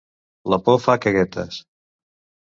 La por fa caguetes.